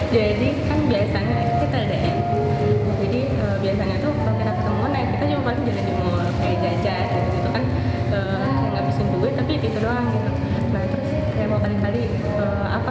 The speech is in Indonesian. jadi kan biasanya kita ada yang buka